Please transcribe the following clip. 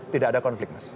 tidak ada konflik mas